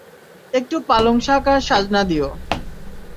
একটু পালং শাক আর সাজনা দিও।